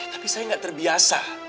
ya tapi saya nggak terbiasa